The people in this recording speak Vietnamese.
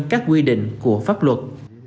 các quy định của pháp luật